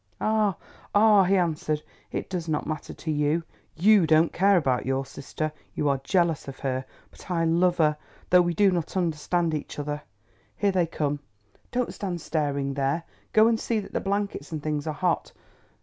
"Ah, ah," he answered; "it does not matter to you, you don't care about your sister. You are jealous of her. But I love her, though we do not understand each other. Here they come. Don't stand staring there. Go and see that the blankets and things are hot.